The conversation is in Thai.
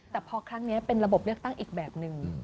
แต่พอครั้งนี้เป็นระบบเลือกตั้งอีกแบบหนึ่ง